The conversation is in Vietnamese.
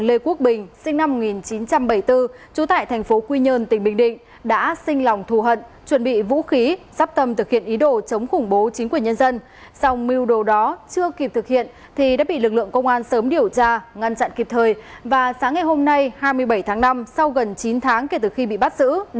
lê quốc bình đã thừa nhận hành vi phạm tội và xin nhận được sự khoan hồng của pháp luật